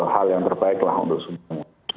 hal yang terbaik lah untuk semuanya